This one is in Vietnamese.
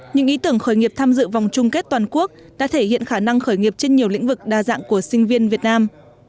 những ý tưởng khởi nghiệp tham dự vòng chung kết toàn quốc đã thể hiện khả năng khởi nghiệp trên nhiều lĩnh vực đa dạng của sinh viên việt nam